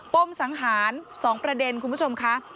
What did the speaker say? มสังหาร๒ประเด็นคุณผู้ชมค่ะ